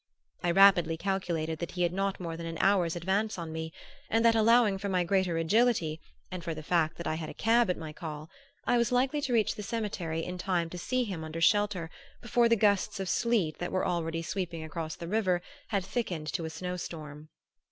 I rapidly calculated that he had not more than an hour's advance on me, and that, allowing for my greater agility and for the fact that I had a cab at my call, I was likely to reach the cemetery in time to see him under shelter before the gusts of sleet that were already sweeping across the river had thickened to a snow storm.